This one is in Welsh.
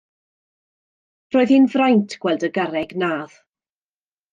Roedd hi'n fraint gweld y garreg nadd.